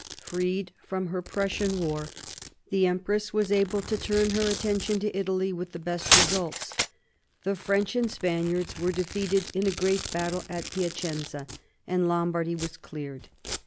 Freed from her Prussian war, the empress was able to turn her attention to Italy with the best results. The French and Spaniards were defeated in a great battle at Piacenza, and Lombardy was cleared.